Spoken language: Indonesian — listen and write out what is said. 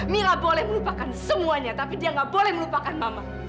mama nggak mungkin melupakan mama